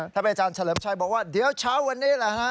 อาจารย์เฉลิมชัยบอกว่าเดี๋ยวเช้าวันนี้แหละฮะ